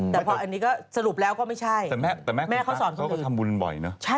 แต่พออันนี้ก็สรุปแล้วก็ไม่ใช่แต่แม่เขาสอนเขาก็ทำบุญบ่อยเนอะ